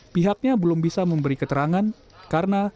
pihaknya belum bisa memberi keterangan karena